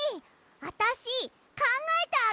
あたしかんがえてあげる！